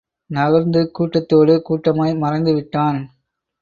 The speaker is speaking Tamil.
நகர்ந்து கூட்டத்தோடு கூட்டமாய் மறைந்து விட்டான்.